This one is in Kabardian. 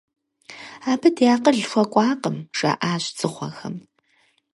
Абы ди акъыл хуэкӀуакъым, - жаӀащ дзыгъуэхэм.